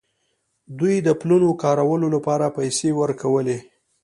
دوی د پلونو کارولو لپاره پیسې ورکولې.